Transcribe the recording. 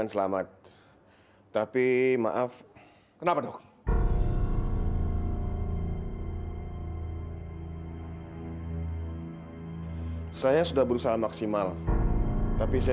selama ini gak pernah ketemu ibu mas randy